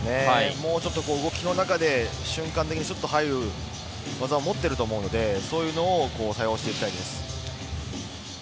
もうちょっと動きの中で瞬間的にスッと入れる技を持っていると思うのでそういうのを多用していきたいです。